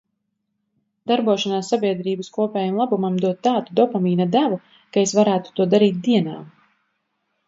Darbošanās sabiedrības kopējam labumam dod tādu dopamīna devu, ka es varētu to darīt dienām.